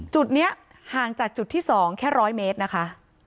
จุดนี้ห่างจากจุดที่๒แค่๑๐๐เมตรนะคะ